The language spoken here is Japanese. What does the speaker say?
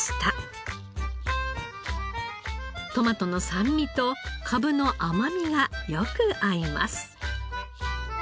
トマトの酸味とかぶの甘みがよく合います。